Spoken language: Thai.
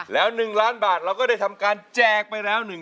แล้ว๑ล้านบาทเราก็ได้ทำการแจกไปแล้ว